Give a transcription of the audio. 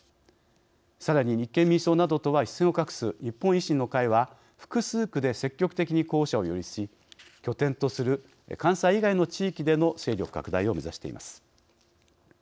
さらに立憲民主党などとは一線を画す日本維新の会は複数区で積極的に候補者を擁立し拠点とする関西以外の地域での勢力拡大を目指しています。